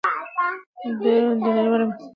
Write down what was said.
دเงินบาทไทย نړیوال مرسته د سولې په لور ګام دی.